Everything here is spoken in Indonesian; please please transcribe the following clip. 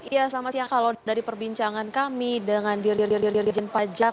ya sama sih kalau dari perbincangan kami dengan diri diri rejen pajak